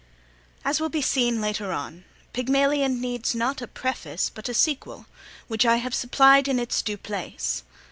As will be seen later on, Pygmalion needs, not a preface, but a sequel, which I have supplied in its due place.